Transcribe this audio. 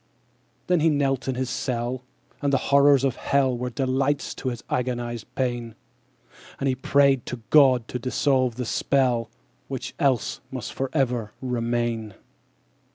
7. Then he knelt in his cell: And the horrors of hell Were delights to his agonized pain, And he prayed to God to dissolve the spell, _40 Which else must for ever remain.